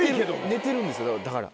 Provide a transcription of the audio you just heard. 寝てるんですよだから。